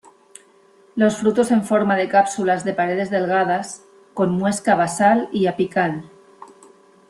Los frutos en forma de cápsulas de paredes delgadas, con muesca basal y apical.